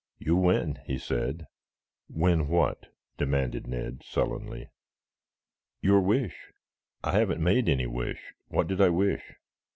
"You win," he said. "Win what?" demanded Ned sullenly. "Your wish." "I haven't made any wish. What did I wish?"